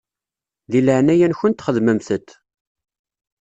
Di leɛnaya-nkent xedmemt-t.